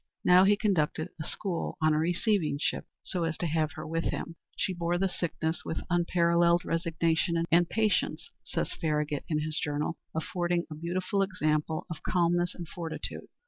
Now he conducted a school on a receiving ship, so as to have her with him. "She bore the sickness with unparalleled resignation and patience," says Farragut in his journal, "affording a beautiful example of calmness and fortitude."